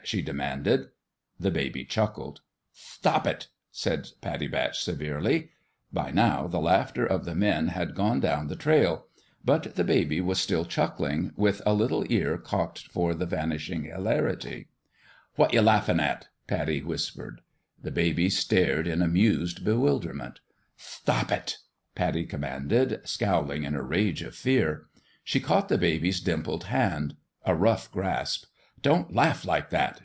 she demanded. The baby chuckled. "Thtop it !" said Pattie Batch, severely. By now the laughter of the men had gone down the trail ; but the baby was still chuckling, with a little ear cocked for the vanishing hilarity. " What you laughin' at?" Pattie whispered. The baby stared in amused bewilderment. " Thtop it 1" Pattie commanded, scowling in a rage of fear. She caught the baby's dimpled hand a rough grasp. " Don't laugh like that!"